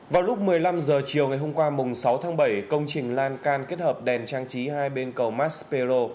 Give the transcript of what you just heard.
vào lúc một mươi năm h chiều ngày hôm qua sáu tháng bảy công trình lan can kết hợp đèn trang trí hai bên cầu maspero